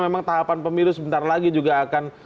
memang tahapan pemilu sebentar lagi juga akan